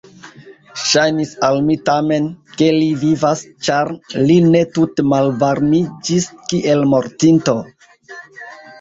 Ŝajnis al mi tamen, ke li vivas, ĉar li ne tute malvarmiĝis kiel mortinto.